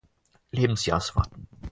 Lebensjahrs warten.